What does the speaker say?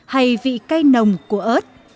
hay vị cây nồng của ớt